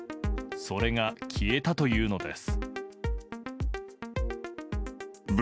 それが消えたというのです。